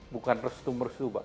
bukan restu merestu pak